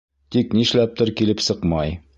Тик нишләптер килеп сыҡмай.